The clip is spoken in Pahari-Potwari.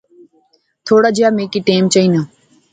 تھوڑا جہیا می کی ٹیم چائینا